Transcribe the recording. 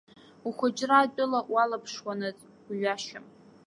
Ухәыҷра атәыла уалаԥшуанаҵ уҩашьом.